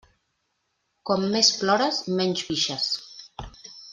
Com més plores, menys pixes.